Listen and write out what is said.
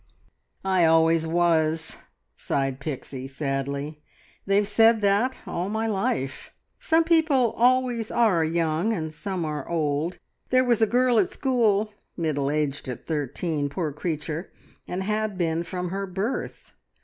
"I always was," sighed Pixie sadly. "They've said that all my life. Some people always are young, and some are old. There was a girl at school, middle aged at thirteen, poor creature, and had been from her birth.